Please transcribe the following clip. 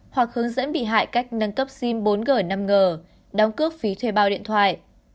hoặc hướng dẫn bị hại cách nâng cấp sim bốn g năm g đóng cước phí thuê bao điện thoại